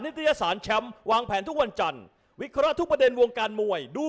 นิตยสารแชมป์นิตยสารมวยตู้